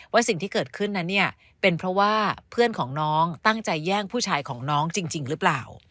สิ่งที่เกิดขึ้นนั้นเนี่ยเป็นเพราะว่าเพื่อนของน้องตั้งใจแย่งผู้ชายของน้องจริงหรือเปล่า